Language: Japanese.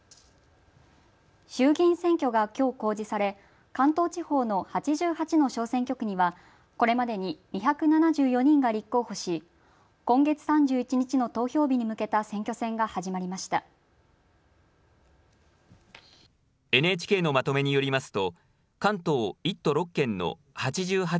衆議院選挙がきょう公示され関東地方の８８の小選挙区にはこれまでに２７４人が立候補し今月３１日の投票日に向けた選挙戦が始まりました。